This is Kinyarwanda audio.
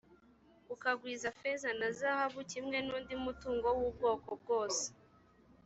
ukagwiza feza na zahabu, kimwe n’undi mutungo w’ubwoko bwose,